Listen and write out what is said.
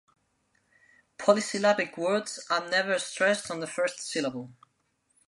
Polysyllabic words are never stressed on the first syllable.